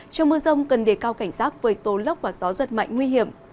trong mưa rông cần đề cao cảnh giác với tố lốc và gió giật mạnh nguy hiểm